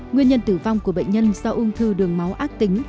nguyên nhân tử vong của bệnh nhân do ung thư đường máu ác tính